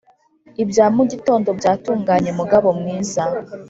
ibya mugitondo byatunganye mugabo mwiza”